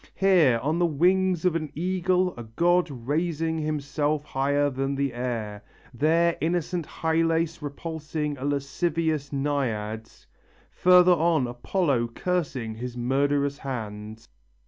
Here on the wings of an eagle a god raising himself higher than the air; there innocent Hylas repulsing a lascivious Naiad; further on Apollo cursing his murderous hand...."